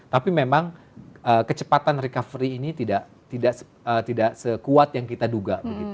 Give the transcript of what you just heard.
tapi memang kecepatan recovery ini tidak sekuat yang kita duga